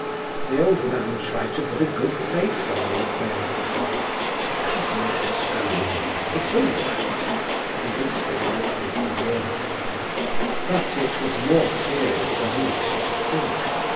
The old man tried to put a good face on the affair. "Come, let us go in—it's all right," he whispered in the prince's ear. But it was more serious than he wished to think.